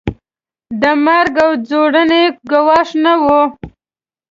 د مرګ او ځورونې ګواښ نه وو.